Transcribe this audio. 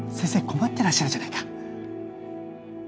困ってらっしゃるじゃないか。